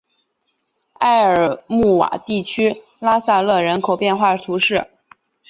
埃尔穆瓦地区拉塞勒人口变化图示